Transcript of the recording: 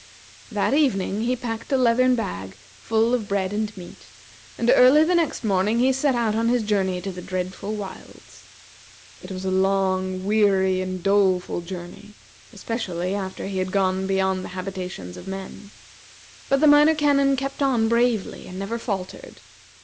That evening he packed a leathern bag full of bread and meat, and early the next morning he set out on his journey to the dreadful wilds. It was a long, weary, and doleful journey, especially after he had gone beyond the habitations of men, but the Minor Canon kept on bravely, and never faltered.